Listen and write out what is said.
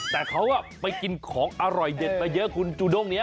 แต่เขาไปกินของอร่อยเด็ดมาเยอะคุณจูด้งนี้